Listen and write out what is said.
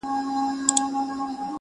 گمان نه کوم، چي دا وړۍ دي شړۍ سي.